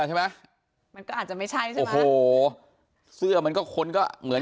ใช่ไหมมันก็อาจจะไม่ใช่ใช่ไหมโอ้โหเสื้อมันก็คนก็เหมือน